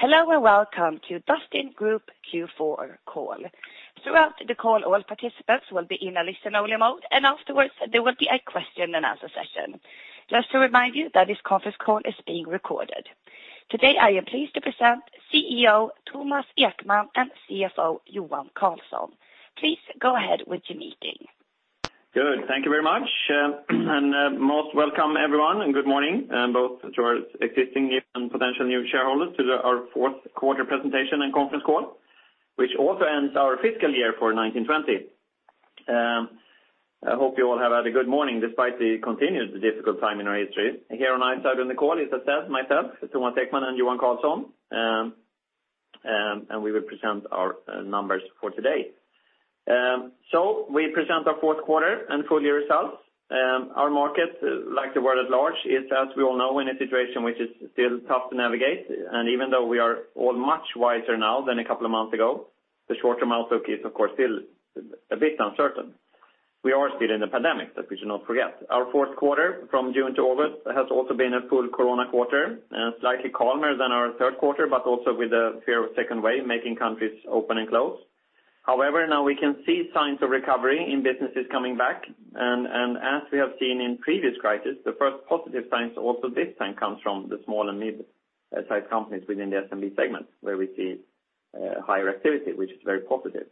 Hello, and welcome to Dustin Group Q4 call. Throughout the call, all participants will be in a listen-only mode, and afterwards, there will be a question and answer session. Just to remind you that this conference call is being recorded. Today, I am pleased to present CEO Thomas Ekman, and CFO Johan Karlsson. Please go ahead with your meeting. Good. Thank you very much, and most welcome everyone, and good morning, both to our existing and potential new shareholders to our Q4 presentation and conference call, which also ends our fiscal year for 2020. I hope you all have had a good morning, despite the continued difficult time in our history. Here on our side of the call, is as said, myself, Thomas Ekman, and Johan Karlsson, and we will present our numbers for today. So we present our Q4 and full year results. Our market, like the world at large, is, as we all know, in a situation which is still tough to navigate. Even though we are all much wiser now than a couple of months ago, the short-term outlook is, of course, still a bit uncertain. We are still in a pandemic, that we should not forget. Our Q4, from June to August, has also been a full corona quarter, slightly calmer than our Q3, but also with the fear of a second wave, making countries open and close. However, now we can see signs of recovery in businesses coming back, and as we have seen in previous crisis, the first positive signs, also this time, comes from the small and mid-sized companies within the SMB segment, where we see higher activity, which is very positive.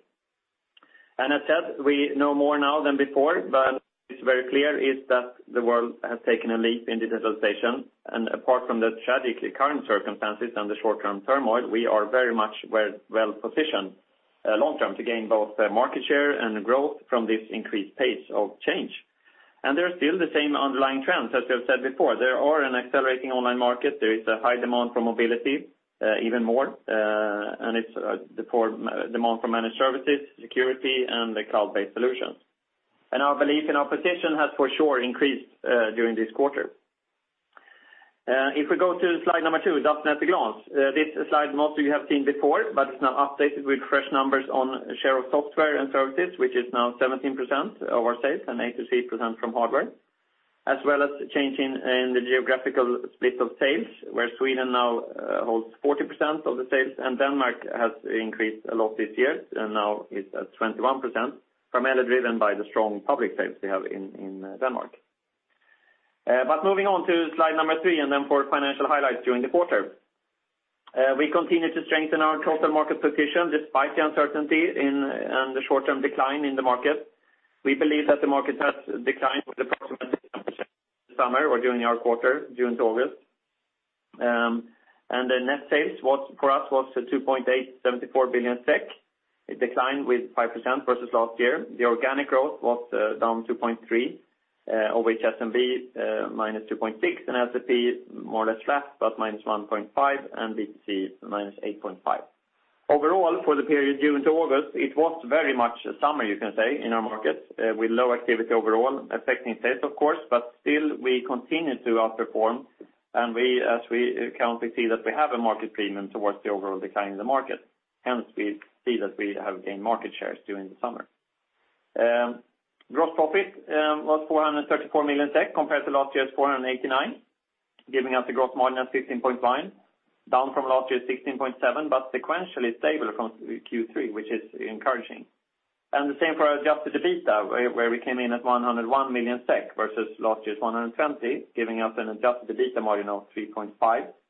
As said, we know more now than before, but it's very clear that the world has taken a leap in digitalization, and apart from the tragically current circumstances and the short-term turmoil, we are very much well-positioned long-term to gain both the market share and growth from this increased pace of change. There are still the same underlying trends as we have said before. There is an accelerating online market. There is a high demand for mobility, even more, and it's the poor demand for managed services, security, and the cloud-based solutions. Our belief in our position has, for sure, increased during this quarter. If we go to slide number 2, Dustin at a Glance. This slide, most of you have seen before, but it's now updated with fresh numbers on share of software and services, which is now 17% of our sales, and 83% from hardware, as well as the changing in the geographical split of sales, where Sweden now holds 40% of the sales, and Denmark has increased a lot this year, and now is at 21%, primarily driven by the strong public sales we have in, in Denmark. But moving on to slide number 3, and then for financial highlights during the quarter. We continue to strengthen our total market position, despite the uncertainty in and the short-term decline in the market. We believe that the market has declined with approximately percent summer or during our quarter, June to August. And the net sales was, for us, 2.874 billion SEK. It declined with 5% versus last year. The organic growth was down 2.3%, of which SMB -2.6%, and LCP more or less flat, but -1.5%, and B2C -8.5%. Overall, for the period June to August, it was very much a summer, you can say, in our market with low activity overall, affecting sales, of course, but still we continued to outperform. And we, as we currently see, that we have a market premium towards the overall decline in the market. Hence, we see that we have gained market shares during the summer. Gross profit was 434 million SEK, compared to last year's 489 million SEK, giving us a gross margin of 15.5%, down from last year's 16.7%, but sequentially stable from Q3, which is encouraging. And the same for our adjusted EBITDA, where we came in at 101 million SEK, versus last year's 120 million SEK, giving us an adjusted EBITDA margin of 3.5%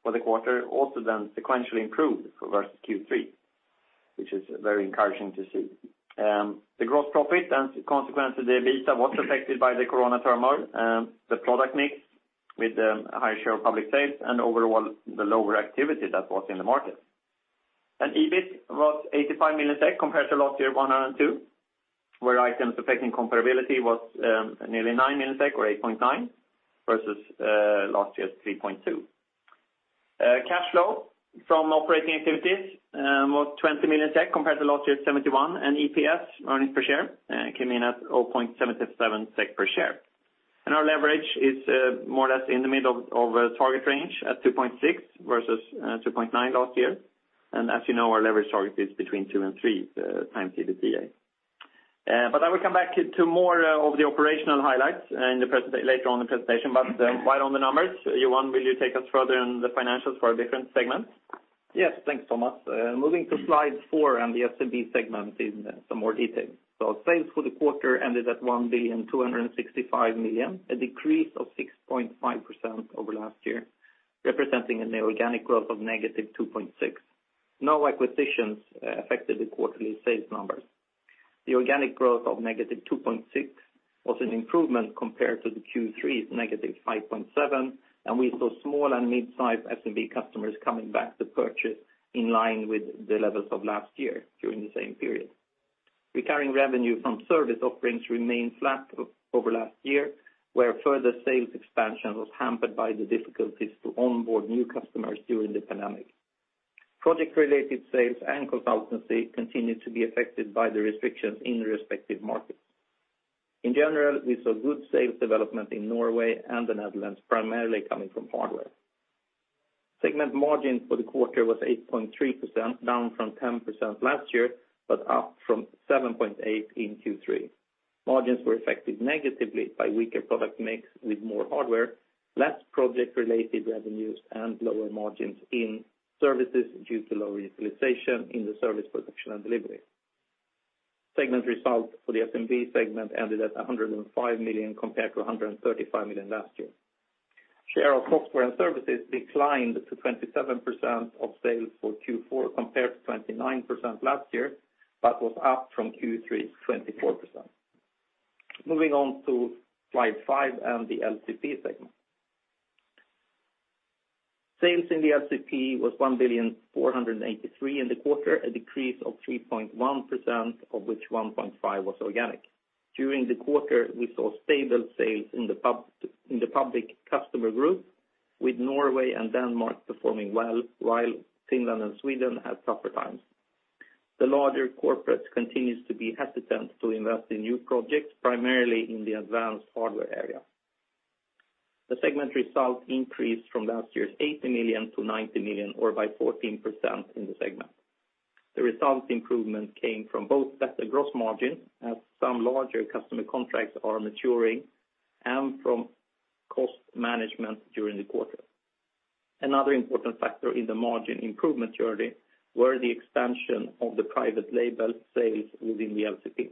for the quarter, also then sequentially improved versus Q3, which is very encouraging to see. The gross profit and consequently, the EBITDA, was affected by the corona turmoil, the product mix with a higher share of public sales and overall the lower activity that was in the market. And EBIT was 85 million, compared to last year, 102 million, where items affecting comparability was nearly 9 million or 8.9, versus last year's 3.2. Cash flow from operating activities was 20 million SEK, compared to last year's 71, and EPS, earnings per share, came in at 0.77 SEK per share. And our leverage is more or less in the middle of a target range at 2.6 versus 2.9 last year. And as you know, our leverage target is between 2 and 3 times EBITDA. But I will come back to more of the operational highlights later on in the presentation, but right on the numbers. Johan, will you take us further in the financials for our different segments? Yes, thanks, Thomas. Moving to slide 4 on the SMB segment in some more detail. So sales for the quarter ended at 1,265 million, a decrease of 6.5% over last year, representing an organic growth of -2.6. No acquisitions affected the quarterly sales numbers. The organic growth of -2.6 was an improvement compared to the Q3's -5.7, and we saw small and mid-sized SMB customers coming back to purchase in line with the levels of last year during the same period. Recurring revenue from service offerings remained flat over last year, where further sales expansion was hampered by the difficulties to onboard new customers during the pandemic. Project-related sales and consultancy continued to be affected by the restrictions in respective markets. In general, we saw good sales development in Norway and the Netherlands, primarily coming from hardware. Segment margin for the quarter was 8.3%, down from 10% last year, but up from 7.8% in Q3. Margins were affected negatively by weaker product mix with more hardware, less project-related revenues, and lower margins in services due to low utilization in the service production and delivery. Segment results for the SMB segment ended at 105 million, compared to 135 million last year. Share of software and services declined to 27% of sales for Q4, compared to 29% last year, but was up from Q3, 24%. Moving on to slide 5 and the LCP segment. Sales in the LCP was 1.483 billion in the quarter, a decrease of 3.1%, of which 1.5% was organic. During the quarter, we saw stable sales in the public, in the public customer group, with Norway and Denmark performing well, while Finland and Sweden had tougher times. The larger corporates continues to be hesitant to invest in new projects, primarily in the advanced hardware area. The segment results increased from last year's 80 million to 90 million, or by 14% in the segment. The results improvement came from both better gross margin, as some larger customer contracts are maturing, and from cost management during the quarter. Another important factor in the margin improvement journey, were the expansion of the private label sales within the LCP.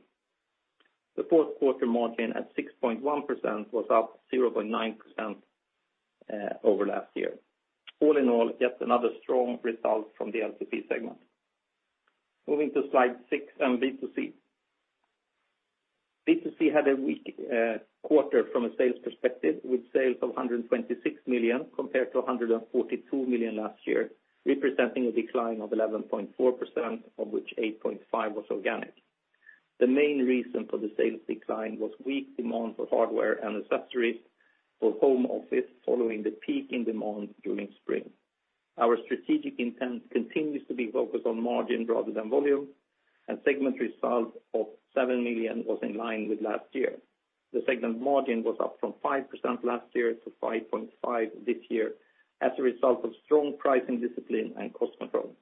The Q4 margin at 6.1%, was up 0.9% over last year. All in all, yet another strong result from the LCP segment. Moving to slide 6, and B2C. B2C had a weak quarter from a sales perspective, with sales of 126 million, compared to 142 million last year, representing a decline of 11.4%, of which 8.5 was organic. The main reason for the sales decline was weak demand for hardware and accessories for home office, following the peak in demand during spring. Our strategic intent continues to be focused on margin rather than volume, and segment results of 7 million was in line with last year. The segment margin was up from 5% last year to 5.5% this year, as a result of strong pricing discipline and cost control.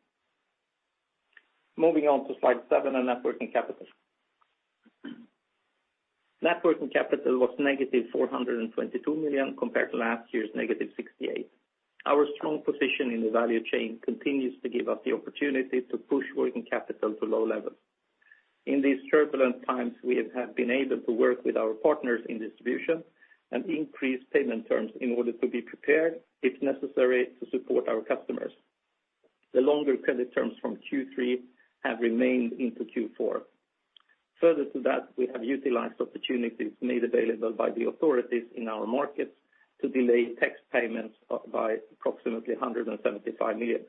Moving on to slide 7, on net working capital. Net working capital was -422 million, compared to last year's -68 million. Our strong position in the value chain continues to give us the opportunity to push working capital to low levels. In these turbulent times, we have been able to work with our partners in distribution, and increase payment terms in order to be prepared, if necessary, to support our customers. The longer credit terms from Q3 have remained into Q4. Further to that, we have utilized opportunities made available by the authorities in our markets, to delay tax payments up by approximately 175 million.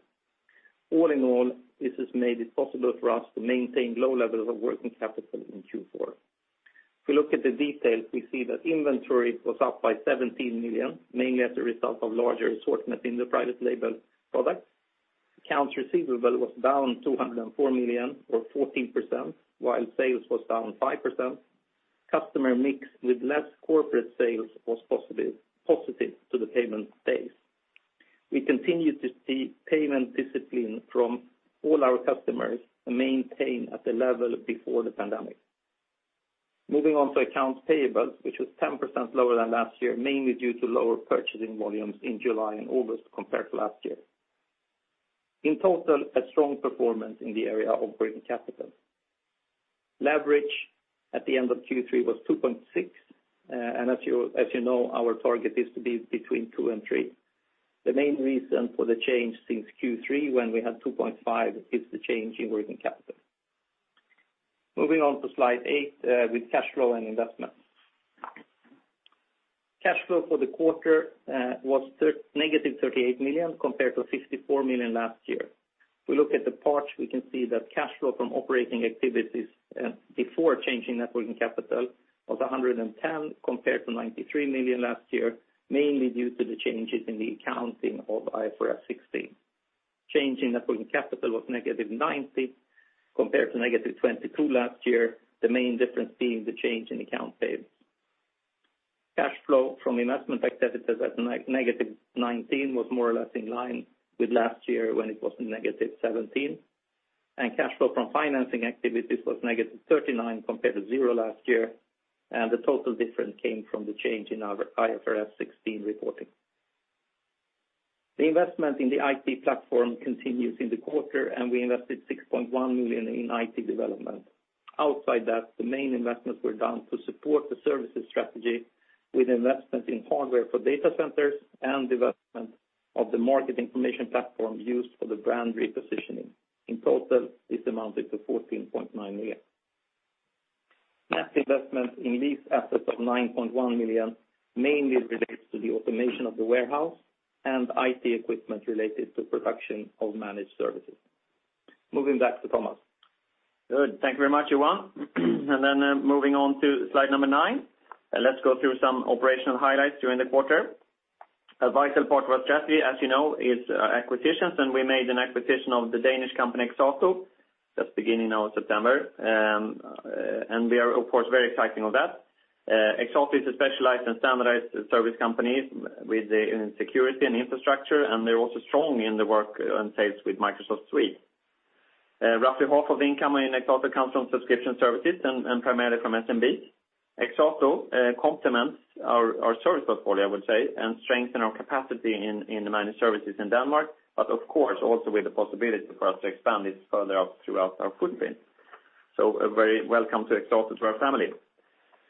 All in all, this has made it possible for us to maintain low levels of working capital in Q4. If we look at the details, we see that inventory was up by 17 million, mainly as a result of larger assortment in the private label products. Accounts receivable was down 204 million, or 14%, while sales was down 5%. Customer mix with less corporate sales was positive, positive to the payment days. We continue to see payment discipline from all our customers, and maintain at the level before the pandemic. Moving on to accounts payable, which was 10% lower than last year, mainly due to lower purchasing volumes in July and August, compared to last year. In total, a strong performance in the area of working capital. Leverage at the end of Q3 was 2.6, and as you, as you know, our target is to be between 2 and 3. The main reason for the change since Q3, when we had 2.5, is the change in working capital. Moving on to slide 8 with cash flow and investments. Cash flow for the quarter was -38 million, compared to 54 million last year. If we look at the parts, we can see that cash flow from operating activities before changing net working capital was 110 million, compared to 93 million last year, mainly due to the changes in the accounting of IFRS 16. Change in net working capital was -90 million, compared to -22 million last year, the main difference being the change in accounts payable. Cash flow from investment activities was SEK -19 million, more or less in line with last year, when it was -17 million. Cash flow from financing activities was -39 million, compared to 0 last year, and the total difference came from the change in our IFRS 16 reporting. The investment in the IT platform continues in the quarter, and we invested 6.1 million in IT development. Outside that, the main investments were done to support the services strategy, with investments in hardware for data centers and development of the market information platform used for the brand repositioning. In total, this amounted to 14.9 million. Net investment in lease assets of 9.1 million mainly relates to the automation of the warehouse and IT equipment related to production of managed services. Moving back to Thomas. Good. Thank you very much, Johan. Then, moving on to slide number 9, and let's go through some operational highlights during the quarter. A vital part of our strategy, as you know, is acquisitions, and we made an acquisition of the Danish company, Exato, just beginning of September. We are, of course, very exciting of that. Exato is a specialized and standardized service company with the in security and infrastructure, and they're also strong in the work and sales with Microsoft Suite. Roughly half of the income in Exato comes from subscription services and primarily from SMB. Exato complements our service portfolio, I would say, and strengthen our capacity in the managed services in Denmark, but of course, also with the possibility for us to expand it further out throughout our footprint. So a very welcome to Exato to our family.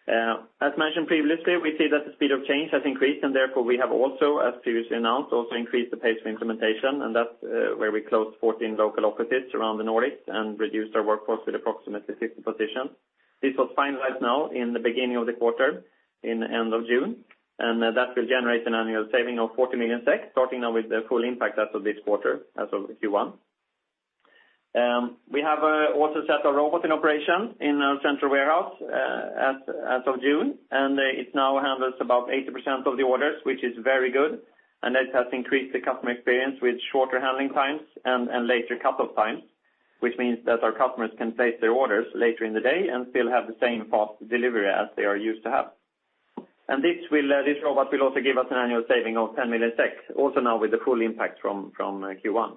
As mentioned previously, we see that the speed of change has increased, and therefore we have also, as previously announced, also increased the pace of implementation, and that's where we closed 14 local offices around the Nordics and reduced our workforce with approximately 50 positions. This was finalized now in the beginning of the quarter, in the end of June, and that will generate an annual saving of 40 million SEK, starting now with the full impact as of this quarter, as of Q1. We have also set a robot in operation in our central warehouse, as of June, and it now handles about 80% of the orders, which is very good. And it has increased the customer experience with shorter handling times and later cut-off times, which means that our customers can place their orders later in the day and still have the same fast delivery as they are used to have. And this will, this robot will also give us an annual saving of 10 million, also now with the full impact from Q1.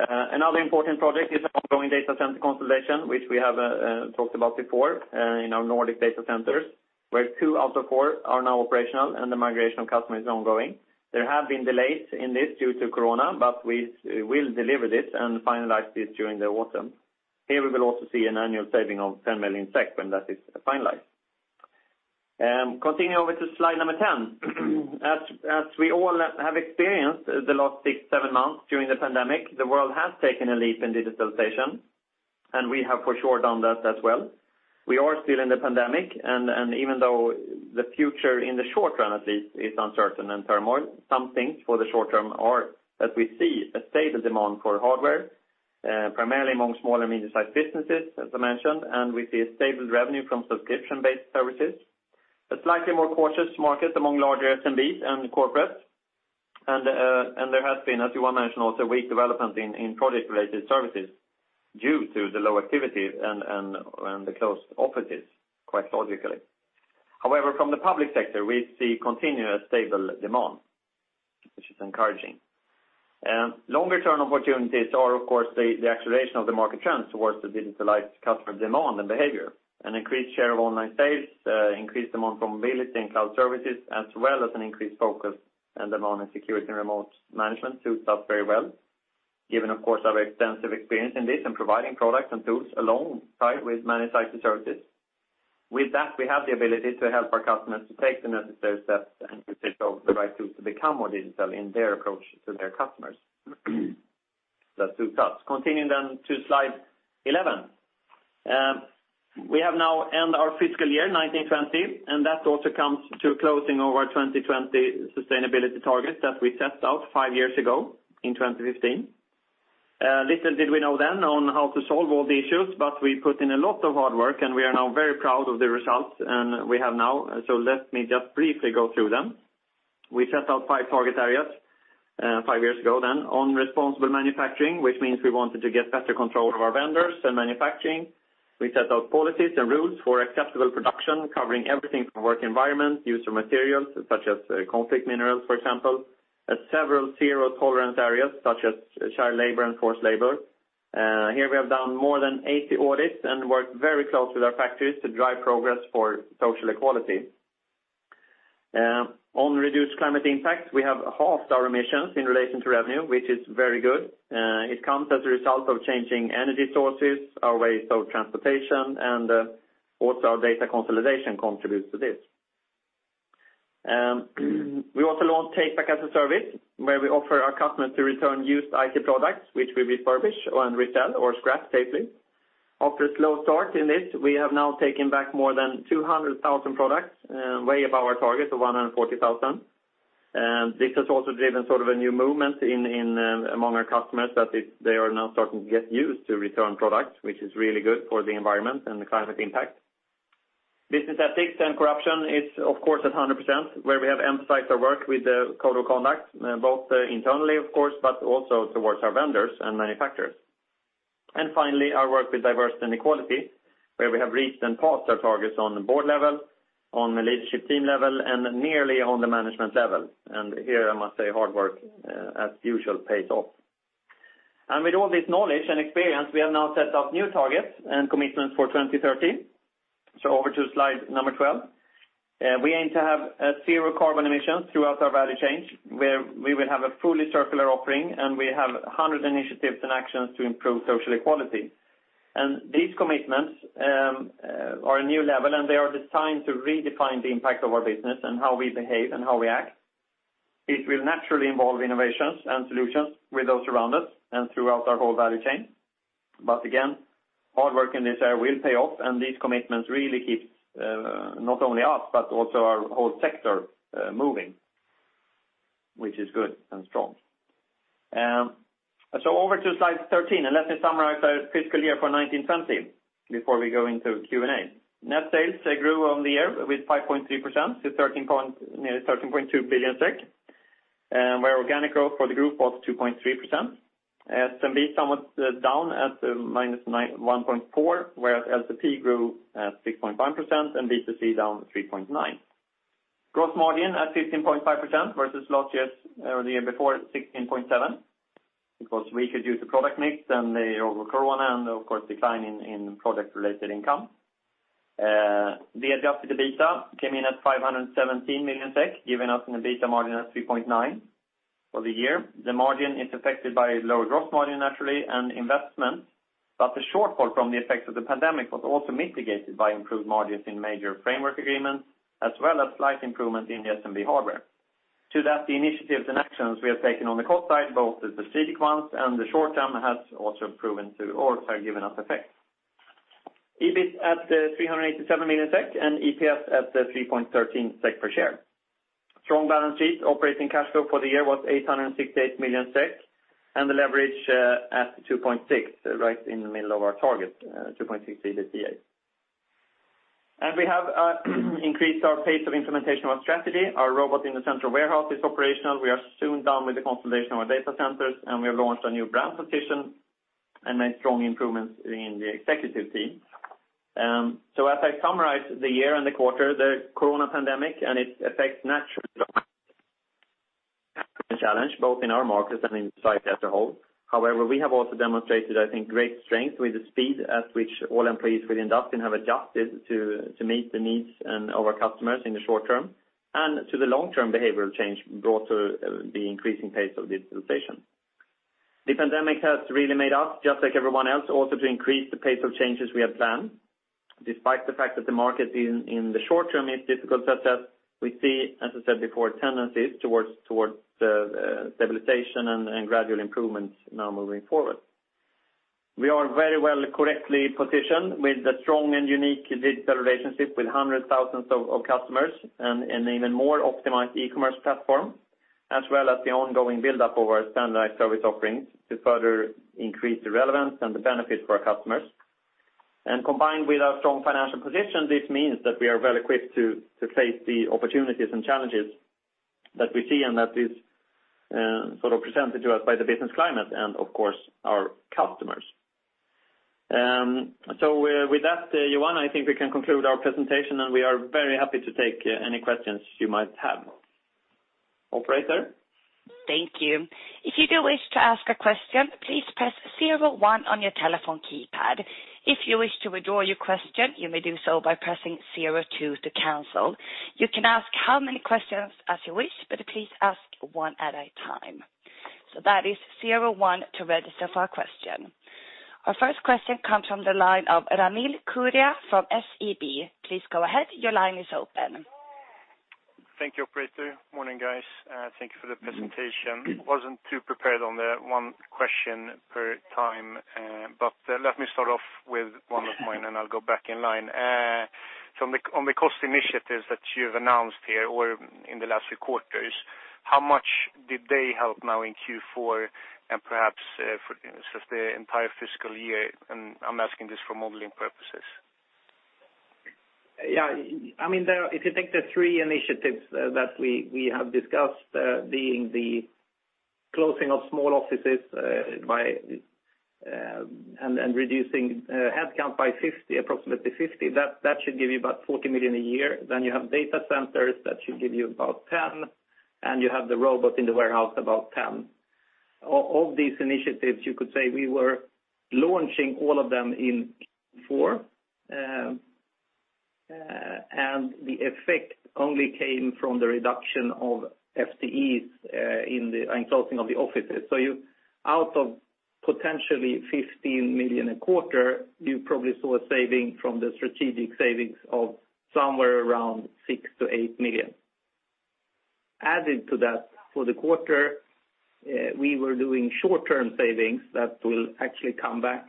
Another important project is the ongoing data center consolidation, which we have talked about before in our Nordic data centers, where 2 out of 4 are now operational and the migration of customers is ongoing. There have been delays in this due to corona, but we will deliver this and finalize this during the autumn. Here, we will also see an annual saving of 10 million SEK when that is finalized. Continuing over to slide number 10. As we all have experienced the last 6-7 months during the pandemic, the world has taken a leap in digitalization, and we have for sure done that as well. We are still in the pandemic, and even though the future in the short run, at least, is uncertain and turmoil, some things for the short term are that we see a stable demand for hardware, primarily among small and medium-sized businesses, as I mentioned, and we see a stable revenue from subscription-based services. A slightly more cautious market among larger SMBs and corporates, and there has been, as Johan mentioned, also weak development in product-related services due to the low activity and the closed offices, quite logically. However, from the public sector, we see continuous stable demand, which is encouraging. Longer-term opportunities are, of course, the acceleration of the market trends towards the digitalized customer demand and behavior, an increased share of online sales, increased demand for mobility and cloud services, as well as an increased focus and demand in security and remote management suits us very well, given, of course, our extensive experience in this, in providing products and tools along, right, with managed IT services. With that, we have the ability to help our customers to take the necessary steps and potential the right tools to become more digital in their approach to their customers. That suits us. Continuing then to slide 11. We have now ended our fiscal year 2019-20, and that also comes to closing our 2020 sustainability targets that we set out five years ago in 2015. Little did we know then on how to solve all the issues, but we put in a lot of hard work, and we are now very proud of the results, and we have now, so let me just briefly go through them. We set out five target areas, five years ago then, on responsible manufacturing, which means we wanted to get better control of our vendors and manufacturing. We set out policies and rules for accessible production, covering everything from work environment, user materials, such as conflict minerals, for example, at several zero-tolerance areas, such as child labor and forced labor. Here we have done more than 80 audits and worked very closely with our factories to drive progress for social equality. On reduced climate impact, we have halved our emissions in relation to revenue, which is very good. It comes as a result of changing energy sources, our ways of transportation, and also our data consolidation contributes to this. We also launched Takeback as a Service, where we offer our customers to return used IT products, which we refurbish and resell or scrap safely. After a slow start in this, we have now taken back more than 200,000 products, way above our target of 140,000. And this has also driven sort of a new movement among our customers, that is they are now starting to get used to return products, which is really good for the environment and the climate impact. Business ethics and corruption is, of course, at 100%, where we have emphasized our work with the code of conduct, both internally, of course, but also towards our vendors and manufacturers. And finally, our work with diversity and equality, where we have reached and passed our targets on the board level, on the leadership team level, and nearly on the management level. Here, I must say, hard work, as usual, pays off. With all this knowledge and experience, we have now set up new targets and commitments for 2030. Over to slide number 12. We aim to have zero carbon emissions throughout our value chain, where we will have a fully circular offering, and we have 100 initiatives and actions to improve social equality. These commitments are a new level, and they are designed to redefine the impact of our business and how we behave and how we act. It will naturally involve innovations and solutions with those around us and throughout our whole value chain. But again, hard work in this area will pay off, and these commitments really keep, not only us, but also our whole sector, moving, which is good and strong. So over to slide 13, and let me summarize our fiscal year for 2019-2020 before we go into Q&A. Net sales grew on the year with 5.3% to nearly 13.2 billion SEK, where organic growth for the group was 2.3%. SMB somewhat down at minus one point four, whereas LCP grew at 6.5% and B2C down 3.9%. Gross margin at 15.5% versus last year's or the year before, 16.7%, it was weaker due to product mix than the overall corona and of course, decline in product-related income. The adjusted EBITDA came in at 517 million SEK, giving us an EBITDA margin of 3.9% for the year. The margin is affected by lower gross margin naturally and investment, but the shortfall from the effects of the pandemic was also mitigated by improved margins in major framework agreements, as well as slight improvement in the SMB hardware. To that, the initiatives and actions we have taken on the cost side, both the strategic ones and the short term, has also proven to or have given us effect. EBIT at 387 million SEK, and EPS at 3.13 SEK per share. Strong balance sheet, operating cash flow for the year was 868 million SEK, and the leverage at 2.6, right in the middle of our target, 2.6 EBITDA. And we have increased our pace of implementation of our strategy. Our robot in the central warehouse is operational. We are soon done with the consolidation of our data centers, and we have launched a new brand position and made strong improvements in the executive team. So as I summarize the year and the quarter, the corona pandemic and its effects naturally a challenge both in our markets and in society as a whole. However, we have also demonstrated, I think, great strength with the speed at which all employees within Dustin have adjusted to meet the needs and of our customers in the short term, and to the long-term behavioral change brought to the increasing pace of digitalization. The pandemic has really made us, just like everyone else, also to increase the pace of changes we have planned, despite the fact that the market in the short term is difficult, but as we see, as I said before, tendencies towards stabilization and gradual improvements now moving forward. We are very well correctly positioned with a strong and unique digital relationship with hundreds of thousands of customers and even more optimized e-commerce platform, as well as the ongoing build-up of our standardized service offerings to further increase the relevance and the benefit for our customers. And combined with our strong financial position, this means that we are well equipped to face the opportunities and challenges that we see and that is sort of presented to us by the business climate and, of course, our customers. So with that, Johan, I think we can conclude our presentation, and we are very happy to take any questions you might have. Operator? Thank you. If you do wish to ask a question, please press zero-one on your telephone keypad. If you wish to withdraw your question, you may do so by pressing zero-two to cancel. You can ask how many questions as you wish, but please ask one at a time. So that is zero-one to register for a question. Our first question comes from the line of Ramil Koria from SEB. Please go ahead. Your line is open. Thank you, operator. Morning, guys. Thank you for the presentation. Wasn't too prepared on the one question per time, but let me start off with one of mine, and I'll go back in line. So on the cost initiatives that you've announced here or in the last few quarters, how much did they help now in Q4 and perhaps for just the entire fiscal year? And I'm asking this for modeling purposes. Yeah, I mean, there—if you take the three initiatives that we have discussed, being the closing of small offices and reducing headcount by approximately 50, that should give you about 40 million a year. Then you have data centers, that should give you about 10 million, and you have the robot in the warehouse, about 10 million. Of these initiatives, you could say we were launching all of them in Q4, and the effect only came from the reduction of FTEs in the closing of the offices. So you out of potentially 15 million a quarter, you probably saw a saving from the strategic savings of somewhere around 6-8 million. Added to that, for the quarter, we were doing short-term savings that will actually come back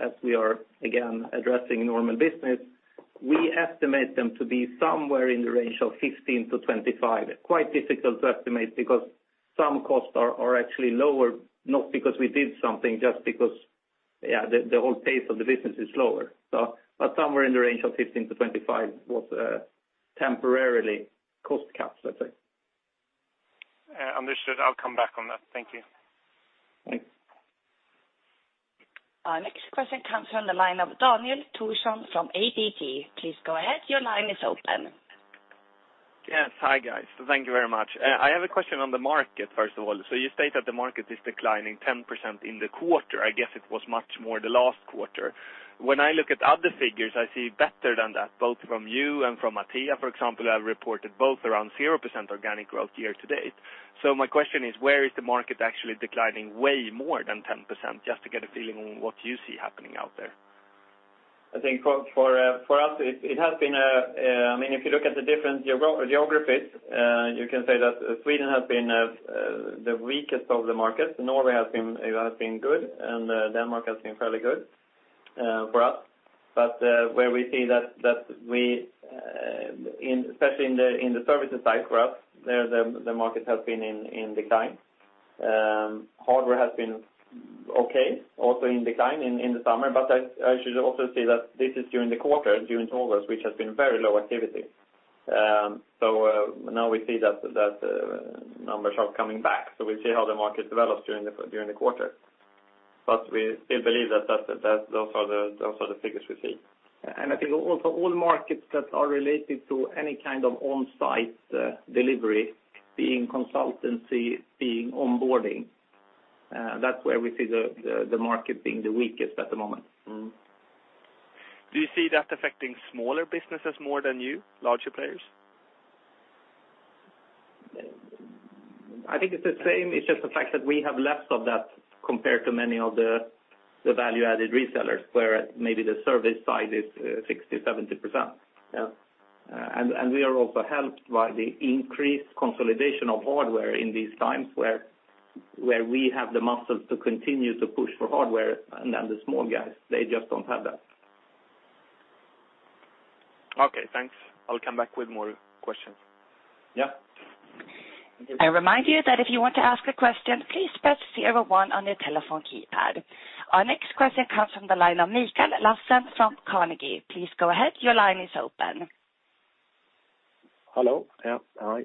as we are, again, addressing normal business. We estimate them to be somewhere in the range of 15-25. Quite difficult to estimate because some costs are actually lower, not because we did something, just because, yeah, the whole pace of the business is lower. So but somewhere in the range of 15-25 was temporarily cost cuts, let's say. Understood. I'll come back on that. Thank you. Thanks. Our next question comes from the line of Daniel Thorsson from ABT. Please go ahead. Your line is open. Yes. Hi, guys. Thank you very much. I have a question on the market, first of all. So you state that the market is declining 10% in the quarter. I guess it was much more the last quarter. When I look at other figures, I see better than that, both from you and from Atea, for example, have reported both around 0% organic growth year to date. So my question is, where is the market actually declining way more than 10%, just to get a feeling on what you see happening out there? I think for us, it has been a... I mean, if you look at the different geographies, you can say that Sweden has been the weakest of the markets. Norway has been good, and Denmark has been fairly good for us. But where we see that in especially the services side for us, the market has been in decline. Hardware has been okay, also in decline in the summer, but I should also say that this is during the quarter, during August, which has been very low activity. So now we see that numbers are coming back, so we see how the market develops during the quarter. ... but we still believe that those are the figures we see. I think also all markets that are related to any kind of on-site delivery, being consultancy, being onboarding, that's where we see the market being the weakest at the moment. Mm-hmm. Do you see that affecting smaller businesses more than you, larger players? I think it's the same. It's just the fact that we have less of that compared to many of the value-added resellers, where maybe the service side is 60, 70%. Yeah. And we are also helped by the increased consolidation of hardware in these times, where we have the muscles to continue to push for hardware, and then the small guys, they just don't have that. Okay, thanks. I'll come back with more questions. Yeah. I remind you that if you want to ask a question, please press zero-one on your telephone keypad. Our next question comes from the line of Mikael laséen from Carnegie. Please go ahead. Your line is open. Hello? Yeah, hi.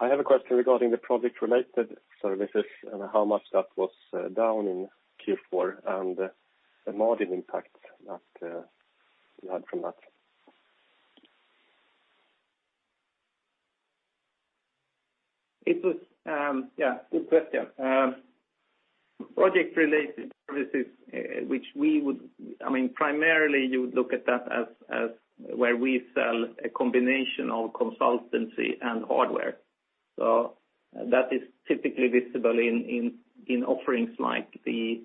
I have a question regarding the project-related services and how much that was down in Q4 and the margin impact that you had from that. It was, yeah, good question. Project-related services, which—I mean, primarily, you would look at that as where we sell a combination of consultancy and hardware. So that is typically visible in offerings like the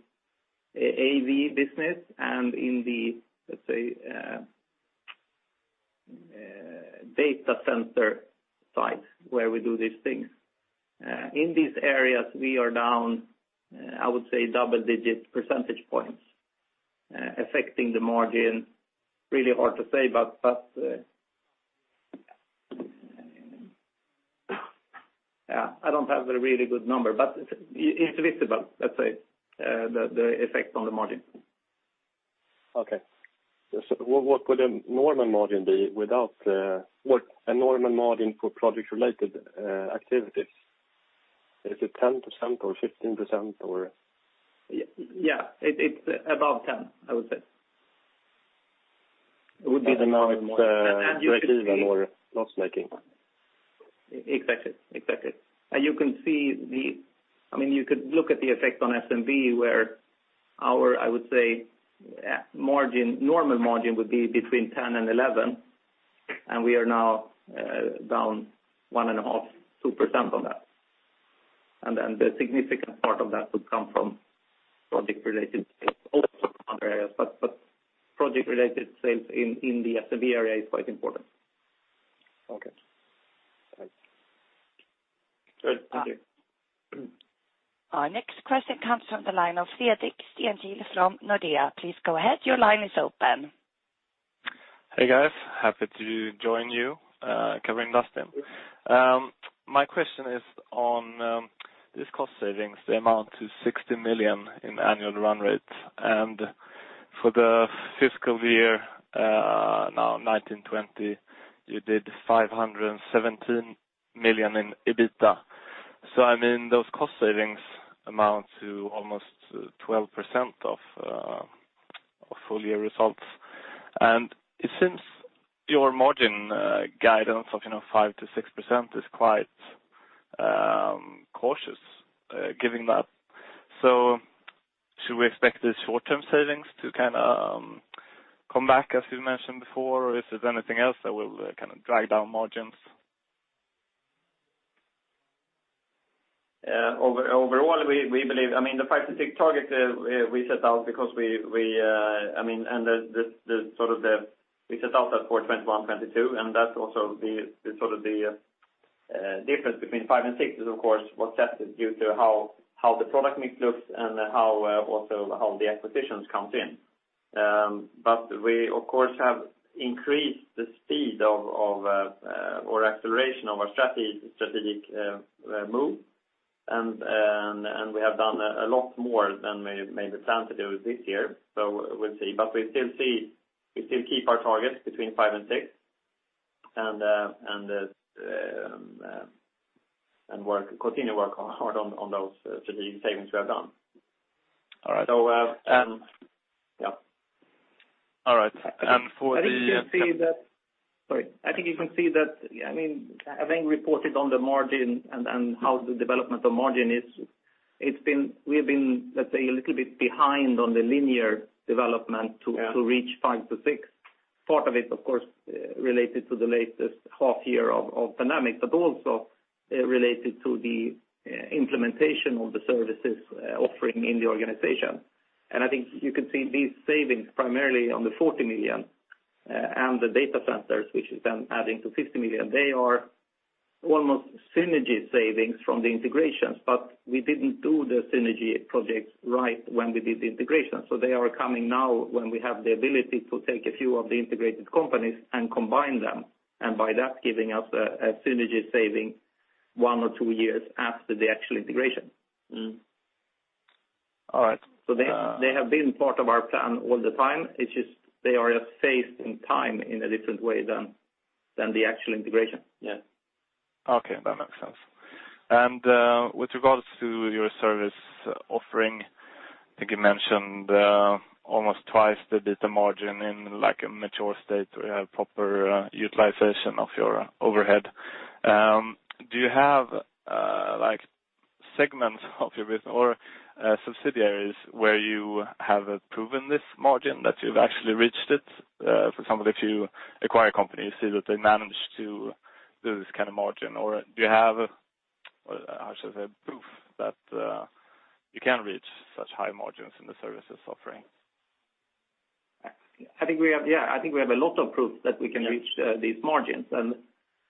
AV business and in the, let's say, data center side, where we do these things. In these areas, we are down, I would say, double-digit percentage points, affecting the margin. Really hard to say, but... Yeah, I don't have a really good number, but it, it's visible, let's say, the effect on the margin. Okay. So what, what would a normal margin be without, what a normal margin for project-related activities? Is it 10% or 15%, or? Yeah, it's above 10, I would say. It would be the margin, or loss-making? Exactly. Exactly. And you can see the—I mean, you could look at the effect on SMB, where our, I would say, margin, normal margin would be between 10 and 11, and we are now down 1.5-2% on that. And then the significant part of that would come from project-related sales, also from other areas, but project-related sales in the SMB area is quite important. Okay. Thanks. Good. Thank you. Our next question comes from the line of Theodor Nilsen from Nordea. Please go ahead. Your line is open. Hey, guys. Happy to join you covering Dustin. My question is on these cost savings. They amount to 60 million in annual run rates. And for the fiscal year now 2019-20, you did 517 million in EBITDA. So, I mean, those cost savings amount to almost 12% of full year results. And it seems your margin guidance of, you know, 5%-6% is quite cautious given that. So should we expect these short-term savings to kind of come back, as you mentioned before, or is there anything else that will kind of drive down margins? Overall, we believe. I mean, the 5-6 target we set out because we I mean and the sort of we set out that for 2021, 2022, and that's also the sort of difference between 5 and 6 is of course what that is due to how the product mix looks and how also how the acquisitions comes in. But we, of course, have increased the speed of or acceleration of our strategic move. And we have done a lot more than we maybe planned to do this year, so we'll see. But we still see. We still keep our targets between 5 and 6, and continue to work hard on those strategic savings we have done. All right. So, yeah. All right. And for the- I think you can see that. Sorry. I think you can see that, I mean, having reported on the margin and how the development of margin is, it's been—we have been, let's say, a little bit behind on the linear development to- Yeah to reach 5-6. Part of it, of course, related to the latest half year of pandemic, but also, related to the implementation of the services offering in the organization. And I think you can see these savings primarily on the 40 million and the data centers, which is then adding to 50 million. They are almost synergy savings from the integrations, but we didn't do the synergy projects right when we did the integration. So they are coming now when we have the ability to take a few of the integrated companies and combine them, and by that, giving us a synergy saving one or two years after the actual integration. All right. So they have been part of our plan all the time. It's just they are phased in time in a different way than the actual integration. Yeah. Okay, that makes sense. And with regards to your service offering, I think you mentioned almost twice the data margin in like a mature state, where you have proper utilization of your overhead. Do you have like segments of your business or subsidiaries where you have proven this margin, that you've actually reached it? For some of the few acquired companies, so that they managed to do this kind of margin. Or do you have, how should I say, proof that you can reach such high margins in the services offering? I think we have, yeah, I think we have a lot of proof that we can reach these margins. And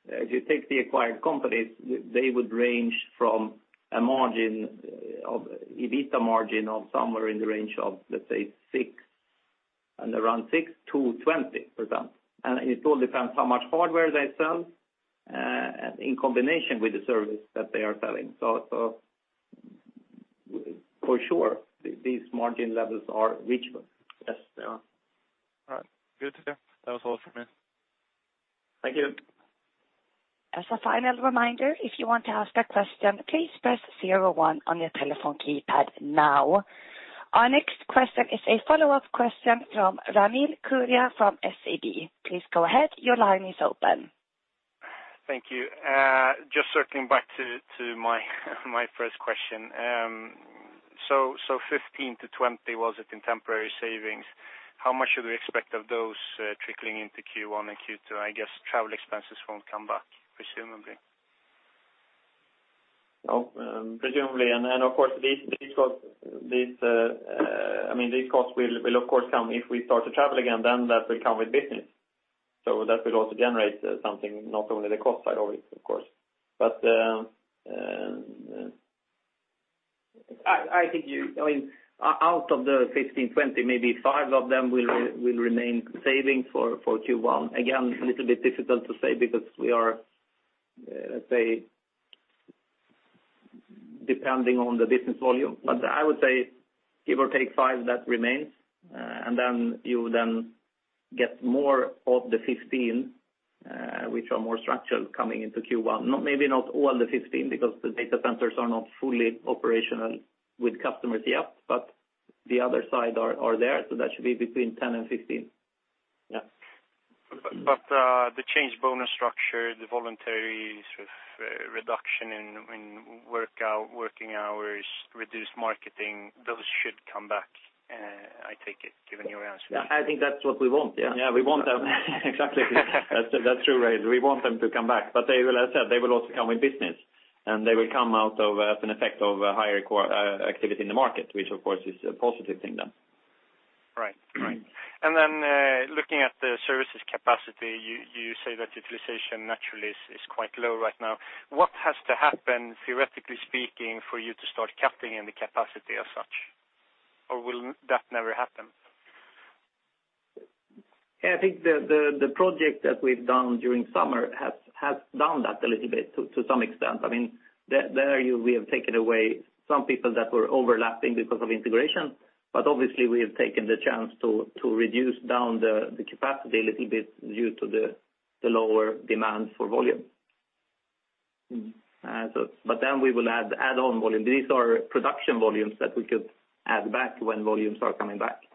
if you take the acquired companies, they would range from a margin of EBITDA margin of somewhere in the range of, let's say, 6, and around 6%-20%. And it all depends how much hardware they sell in combination with the service that they are selling. So, so for sure, these margin levels are reachable. Yes, they are. All right. Good to hear. That was all for me. Thank you. As a final reminder, if you want to ask a question, please press zero-one on your telephone keypad now. Our next question is a follow-up question from Ramil Koria, from SEB. Please go ahead. Your line is open. Thank you. Just circling back to my first question. So, 15-20 was it in temporary savings, how much should we expect of those trickling into Q1 and Q2? I guess travel expenses won't come back, presumably. No, presumably, and of course, these costs will of course come if we start to travel again, then that will come with business. So that will also generate something, not only the cost side of it, of course. But I think you—I mean, out of the 15, 20, maybe five of them will remain saving for Q1. Again, it's a little bit difficult to say because we are, let's say, depending on the business volume. But I would say give or take five, that remains. And then you get more of the 15, which are more structured coming into Q1. Not, maybe not all the 15, because the data centers are not fully operational with customers yet, but the other side are there, so that should be between 10 and 15. Yeah. But the change bonus structure, the voluntary sort of reduction in working hours, reduced marketing, those should come back, I take it, given your answer? Yeah, I think that's what we want, yeah. Yeah, we want them. Exactly. That's, that's true, right? We want them to come back, but they will, as I said, they will also come with business, and they will come out of, as an effect of a higher activity in the market, which of course, is a positive thing then. Right. Right. And then, looking at the services capacity, you say that utilization naturally is quite low right now. What has to happen, theoretically speaking, for you to start cutting in the capacity as such? Or will that never happen? Yeah, I think the project that we've done during summer has done that a little bit, to some extent. I mean, there we have taken away some people that were overlapping because of integration, but obviously, we have taken the chance to reduce down the capacity a little bit due to the lower demand for volume. But then we will add on volume. These are production volumes that we could add back when volumes are coming back.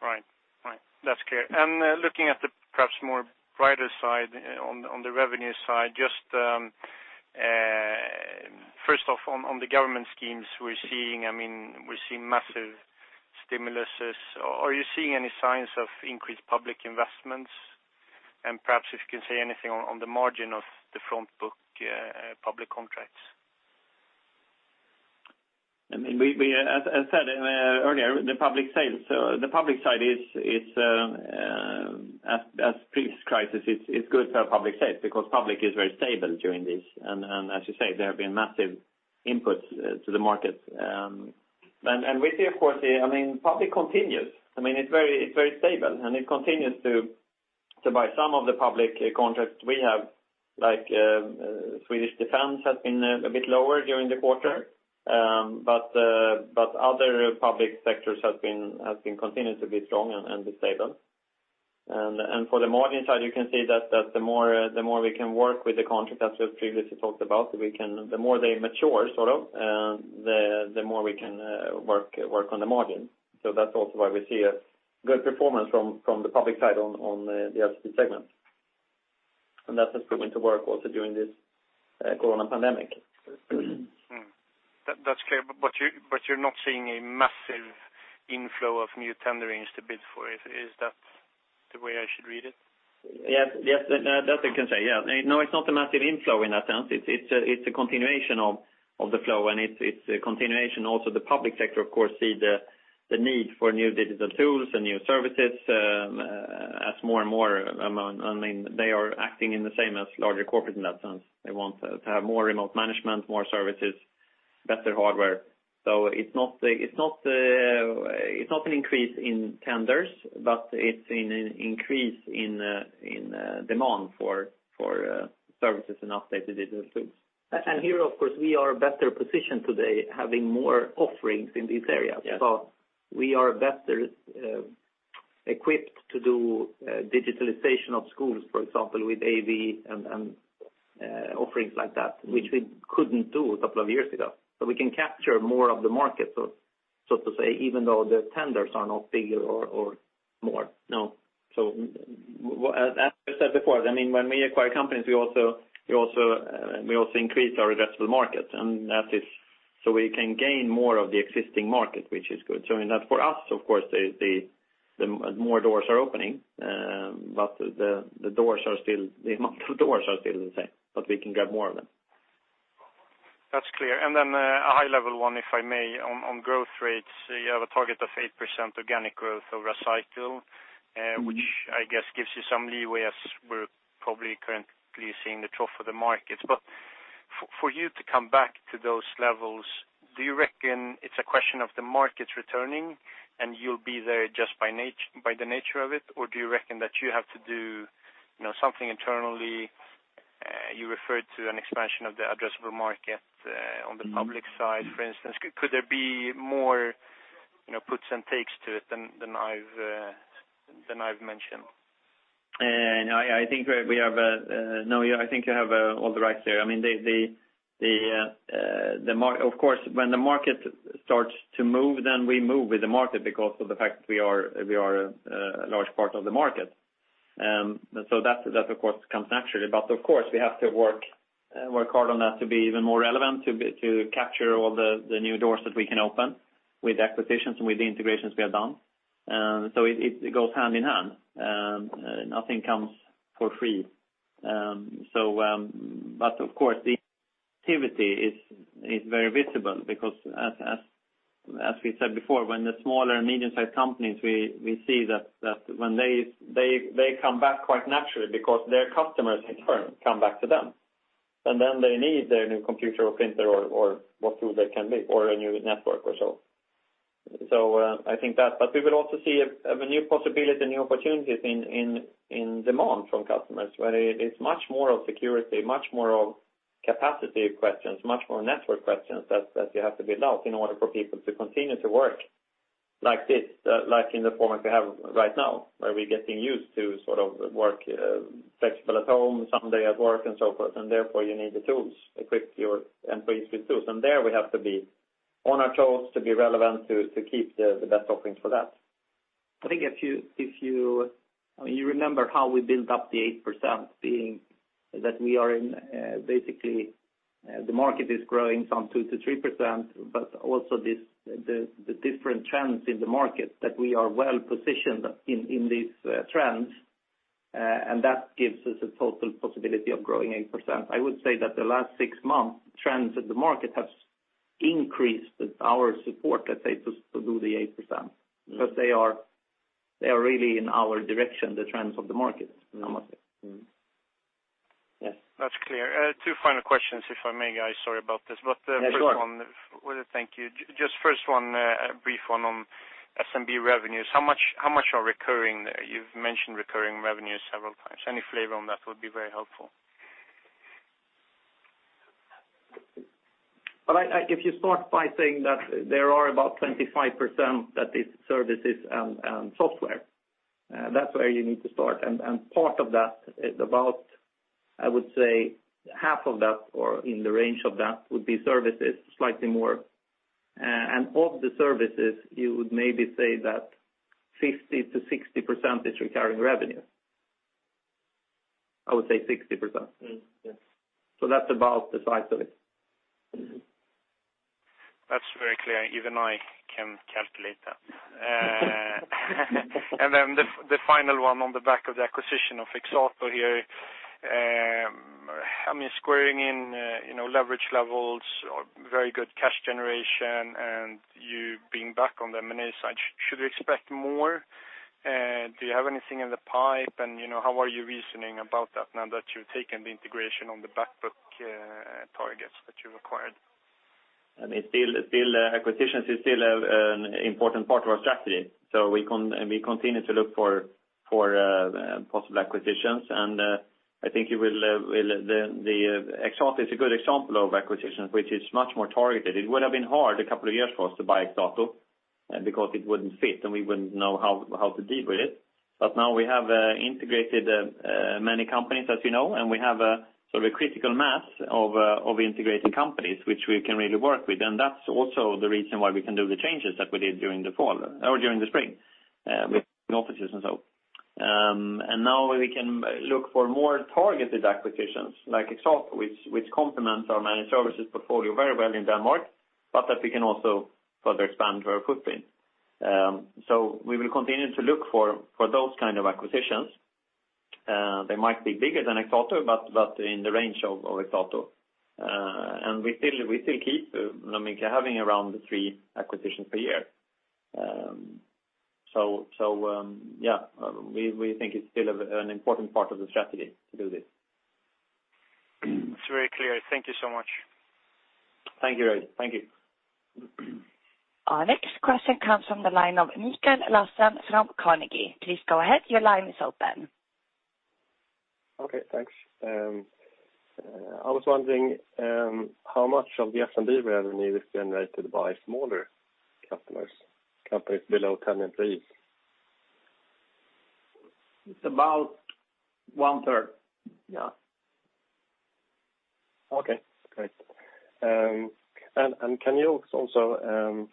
Right. Right. That's clear. And looking at the perhaps more brighter side on the revenue side, just first off, on the government schemes, we're seeing, I mean, we're seeing massive stimuluses. Are you seeing any signs of increased public investments? And perhaps if you can say anything on the margin of the front book, public contracts. I mean, we as said earlier, the public sales, the public side is, as previous crisis, it's good for public sales, because public is very stable during this. And as you say, there have been massive inputs to the market. And we see, of course, the, I mean, public continues. I mean, it's very stable, and it continues to buy some of the public contracts we have, like, Swedish Defense has been a bit lower during the quarter. But other public sectors have been continued to be strong and stable. For the margin side, you can see that the more we can work with the contract, as we've previously talked about, the more they mature, sort of, the more we can work on the margin. So that's also why we see a good performance from the public side on the LCP segment. And that has proven to work also during this corona pandemic. That's clear. But you're not seeing a massive inflow of new tenderings to bid for, is that the way I should read it? Yes, yes, that I can say, yeah. No, it's not a massive inflow in that sense. It's a continuation of the flow, and it's a continuation also, the public sector, of course, see the need for new digital tools and new services, as more and more, I mean, they are acting in the same as larger corporate in that sense. They want to have more remote management, more services, better hardware. So it's not an increase in tenders, but it's an increase in demand for services and updated digital tools. Here, of course, we are better positioned today, having more offerings in these areas. Yeah. So we are better. ...equipped to do digitalization of schools, for example, with AV and offerings like that, which we couldn't do a couple of years ago. So we can capture more of the market, so to say, even though the tenders are not bigger or more now. So as I said before, I mean, when we acquire companies, we also increase our addressable market, and that is so we can gain more of the existing market, which is good. So I mean, that for us, of course, the more doors are opening, but the doors are still the same, but we can get more of them. That's clear. And then, a high level one, if I may, on, on growth rates. You have a target of 8% organic growth over a cycle. which I guess gives you some leeway, as we're probably currently seeing the trough of the markets. But for you to come back to those levels, do you reckon it's a question of the market returning, and you'll be there just by the nature of it? Or do you reckon that you have to do, you know, something internally? You referred to an expansion of the addressable market on the public side, for instance. Could there be more, you know, puts and takes to it than I've mentioned? I think we have a... No, I think you have all the rights there. I mean, the market, of course, when the market starts to move, then we move with the market because of the fact we are a large part of the market. So that, of course, comes naturally. But of course, we have to work hard on that to be even more relevant, to capture all the new doors that we can open with acquisitions and with the integrations we have done. So it goes hand in hand, nothing comes for free. So, but of course, the activity is very visible because as we said before, when the smaller and medium-sized companies, we see that when they come back quite naturally because their customers in turn come back to them, and then they need their new computer or printer or what tool they can be, or a new network or so. So, I think that, but we will also see a new possibility, new opportunities in demand from customers, where it's much more of security, much more of capacity questions, much more network questions that you have to build out in order for people to continue to work like this, like in the format we have right now, where we're getting used to sort of work flexible at home, someday at work, and so forth. And therefore, you need the tools, equip your employees with tools. And there we have to be on our toes to be relevant, to keep the best offerings for that. I think if you, I mean, you remember how we built up the 8%, being that we are in, basically, the market is growing some 2%-3%, but also this, the different trends in the market that we are well-positioned in, in these, trends, and that gives us a total possibility of growing 8%. I would say that the last six months, trends in the market have increased our support, let's say, to do the 8%. Because they are, they are really in our direction, the trends of the market, I must say. Yeah. That's clear. Two final questions, if I may, guys, sorry about this. Yeah, sure. But the first one... Thank you. Just first one, a brief one on SMB revenues. How much, how much are recurring there? You've mentioned recurring revenues several times. Any flavor on that would be very helpful. Well, if you start by saying that there are about 25% that is services and software, that's where you need to start. And part of that is about, I would say, half of that, or in the range of that, would be services, slightly more. And of the services, you would maybe say that 50%-60% is recurring revenue. I would say 60%. yes. That's about the size of it. That's very clear. Even I can calculate that. And then the final one on the back of the acquisition of Exato here, I mean, squaring in, you know, leverage levels or very good cash generation, and you being back on the M&A side, should we expect more? Do you have anything in the pipe? And, you know, how are you reasoning about that now that you've taken the integration on the backbook, targets that you've acquired? I mean, still, still, acquisitions is still a, an important part of our strategy. So we and we continue to look for, for, possible acquisitions. And, I think you will... The Exato is a good example of acquisitions, which is much more targeted. It would have been hard a couple of years for us to buy Exato, because it wouldn't fit, and we wouldn't know how to deal with it. But now we have integrated many companies, as you know, and we have a, sort of a critical mass of integrated companies which we can really work with. And that's also the reason why we can do the changes that we did during the fall, or during the spring, with offices and so. And now we can look for more targeted acquisitions, like Exato, which complements our managed services portfolio very well in Denmark, but that we can also further expand our footprint. So we will continue to look for those kind of acquisitions. They might be bigger than Exato, but in the range of Exato. And we still keep, I mean, having around three acquisitions per year. So, yeah, we think it's still an important part of the strategy to do this. It's very clear. Thank you so much. Thank you, Roy. Thank you. Our next question comes from the line of Mikael Laséen from Carnegie. Please go ahead, your line is open. Okay, thanks. I was wondering, how much of the S&B revenue is generated by smaller customers, companies below 10 employees? It's about one-third. Yeah. Okay, great. And can you also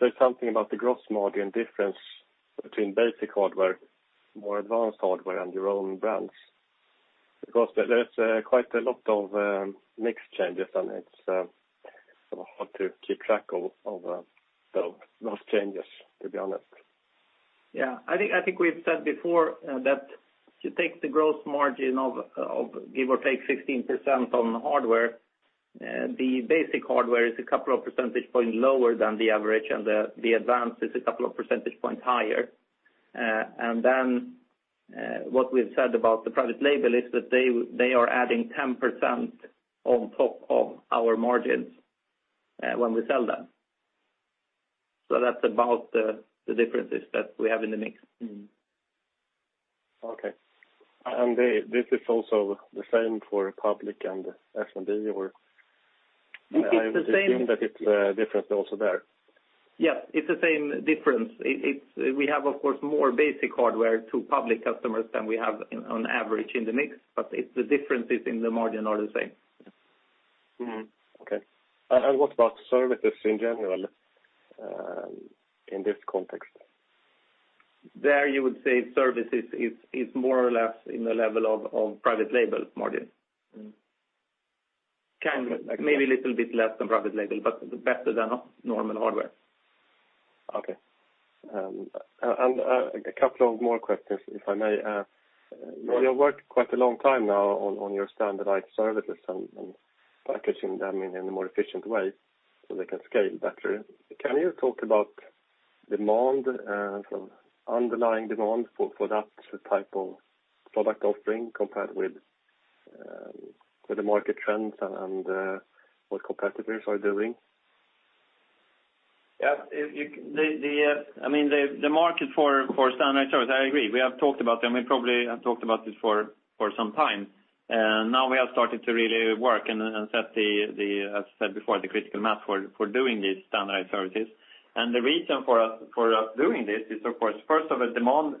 say something about the gross margin difference between basic hardware, more advanced hardware, and your own brands? Because there's quite a lot of mix changes, and it's sort of hard to keep track of those changes, to be honest. Yeah. I think, I think we've said before that to take the gross margin of give or take 16% on the hardware, the basic hardware is a couple of percentage points lower than the average, and the advanced is a couple of percentage points higher. And then, what we've said about the Private Label is that they are adding 10% on top of our margins when we sell them. So that's about the differences that we have in the mix. Okay. This is also the same for public and SMB, or? It's the same- I assume that it's different also there. Yeah, it's the same difference. We have, of course, more basic hardware to public customers than we have, on average, in the mix, but it's the differences in the margin are the same. Okay. And what about services in general, in this context? There, you would say services is more or less in the level of Private Label margin. Mm. Kind of, maybe a little bit less than private label, but better than normal hardware. Okay. A couple of more questions, if I may ask. You have worked quite a long time now on your standardized services and packaging them in a more efficient way so they can scale better. Can you talk about demand from underlying demand for that type of product offering, compared with the market trends and what competitors are doing? Yeah. If the market for standardized service, I mean, I agree. We have talked about them. We probably have talked about this for some time. And now we have started to really work and set the, as I said before, the critical mass for doing these standardized services. And the reason for us doing this is, of course, first of a demand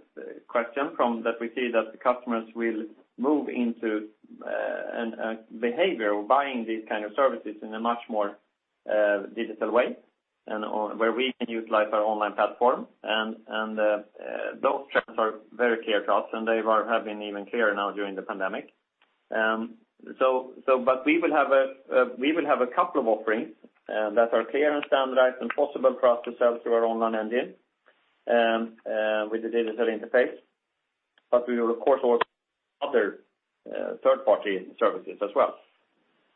question from that we see that the customers will move into a behavior of buying these kind of services in a much more digital way, and on where we can utilize our online platform. And those trends are very clear to us, and they have been even clearer now during the pandemic. But we will have a couple of offerings that are clear and standardized and possible for us to sell through our online engine with the digital interface. But we will, of course, offer other third-party services as well.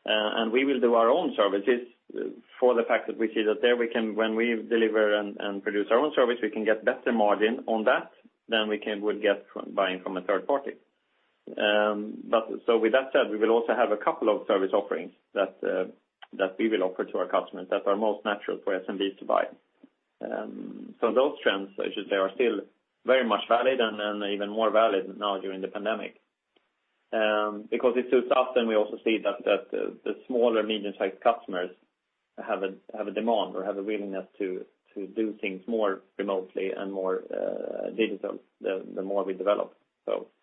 And we will do our own services for the fact that we see that there we can, when we deliver and produce our own service, we can get better margin on that than we can, would get from buying from a third party. But so with that said, we will also have a couple of service offerings that we will offer to our customers that are most natural for SMBs to buy. So those trends, I should say, are still very much valid and even more valid now during the pandemic. Because it's so often we also see that the smaller medium-sized customers have a demand or have a willingness to do things more remotely and more digital, the more we develop. So that's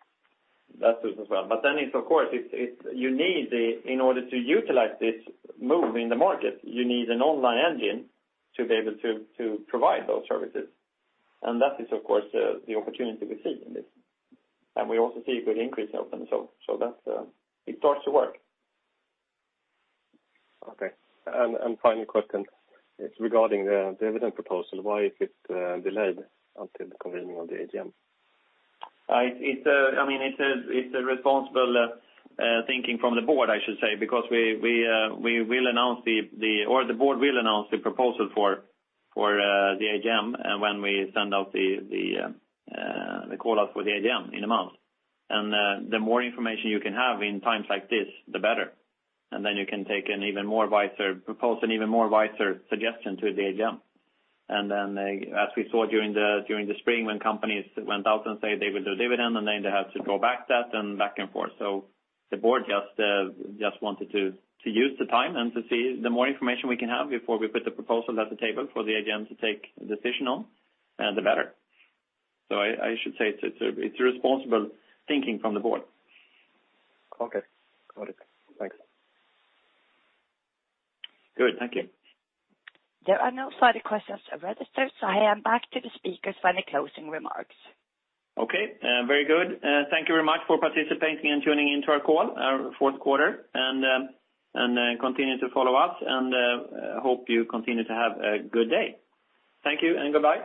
it as well. But then, it's of course, you need the... In order to utilize this move in the market, you need an online engine to be able to provide those services. And that is, of course, the opportunity we see in this. And we also see a good increase in open. So that it starts to work. Okay. Final question is regarding the dividend proposal. Why is it delayed until the convening of the AGM? I mean, it's a responsible thinking from the board, I should say, because we will announce or the board will announce the proposal for the AGM, and when we send out the call out for the AGM in a month. The more information you can have in times like this, the better. And then you can propose an even more wiser suggestion to the AGM. And then, as we saw during the spring, when companies went out and said they would do dividend, and then they had to go back that, and back and forth. So the board just wanted to use the time and to see the more information we can have before we put the proposal at the table for the AGM to take a decision on, the better. So I should say it's a responsible thinking from the board. Okay. Got it. Thanks. Good. Thank you. There are no further questions registered, so I hand back to the speakers for any closing remarks. Okay, very good. Thank you very much for participating and tuning in to our call, our Q4, and continue to follow us, and hope you continue to have a good day. Thank you, and goodbye.